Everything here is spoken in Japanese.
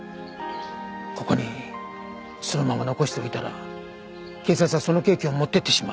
ここにそのまま残しておいたら警察はそのケーキを持っていってしまう。